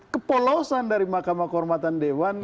kepolosan dari mahkamah kehormatan dewan